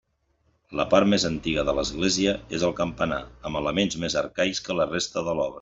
La part més antiga de l'església és el campanar, amb elements més arcaics que la resta de l'obra.